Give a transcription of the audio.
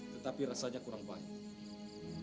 tetapi rasanya kurang banyak